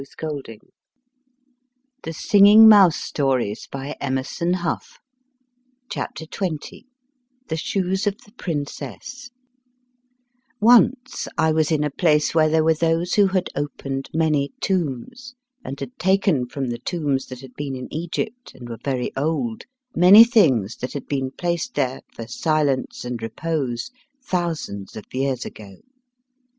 [Illustration: The Shoes of the Princess] THE SHOES OF THE PRINCESS Once I was in a place where there were those who had opened many tombs, and had taken from the tombs, that had been in Egypt, and were very old, many things that had been placed there for silence and repose thousands of years ago.